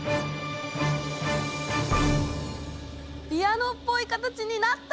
ピアノっぽい形になった！